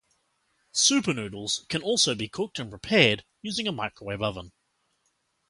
Super Noodles can also be cooked and prepared using a microwave oven.